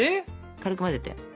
軽く混ぜて。